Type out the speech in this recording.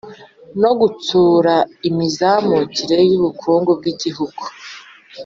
no gutsura imizamukire y’ubukungu bw’igihugu